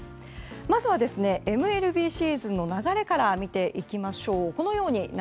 まずはＭＬＢシーズンの流れから見ていきましょう。